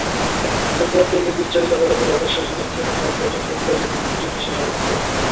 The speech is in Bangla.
এরপর তিনি বিচারিক আদালতের আদেশের বিরুদ্ধে হাইকোর্টে ফৌজদারি রিভিশন আবেদন করেন।